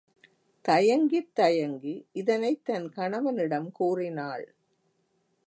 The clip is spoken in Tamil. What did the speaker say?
தயங்கித் தயங்கி இதனைத் தன் கணவ்னிடம் கூறினாள்.